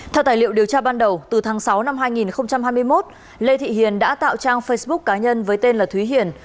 theo tài liệu điều tra ban đầu từ tháng sáu năm hai nghìn hai mươi một lê thị hiền đã tạo trang facebook cá nhân với tên là thúy hiền